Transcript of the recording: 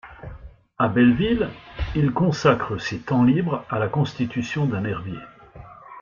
À Belleville, il consacre ses temps libre à la constitution d'un herbier.